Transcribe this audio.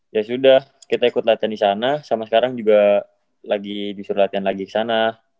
ya sudah kita ikut latihan disana sama sekarang juga lagi disuruh latihan lagi kesana